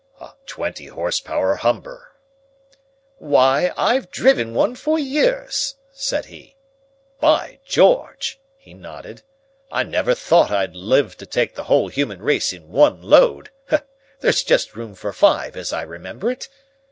"A twenty horsepower Humber." "Why, I've driven one for years," said he. "By George!" he added. "I never thought I'd live to take the whole human race in one load. There's just room for five, as I remember it.